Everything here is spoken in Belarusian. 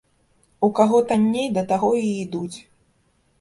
У каго танней, да таго і ідуць.